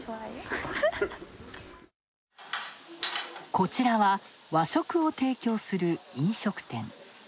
こちらは、和食を提供する飲食店。